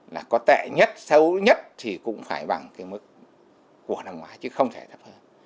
là có tệ nhất xấu nhất thì cũng phải bằng cái mức của năm ngoái chứ không thể thấp hơn